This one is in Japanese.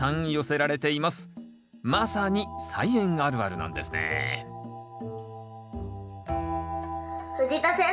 まさに「菜園あるある」なんですね藤田先生